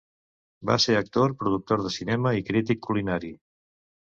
Va ser actor, productor de cinema i crític culinari.